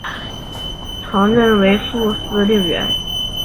曾任海军青岛基地副司令员。